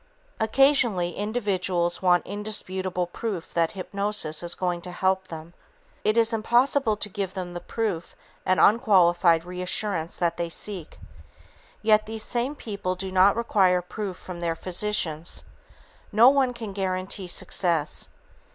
Occasionally, individuals want indisputable proof that hypnosis is going to help them. It is impossible to give them the proof and unqualified reassurance that they seek. Yet, these same people do not require proof from their physicians. No one can guarantee success.